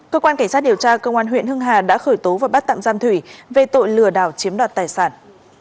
cơ quan cảnh sát điều tra công an huyện hưng hà đã khởi tố và bắt tạm giam thủy về tội lừa đảo chiếm đoạt tài sản